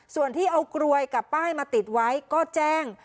ส่วนที่เอากลวยกับป้ายมาติดไว้ก็แจ้ง